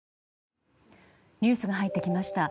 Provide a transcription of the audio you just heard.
ニュースが入ってきました。